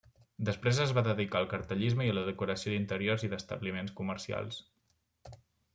Després es va dedicar al cartellisme i a la decoració d'interiors i d'establiments comercials.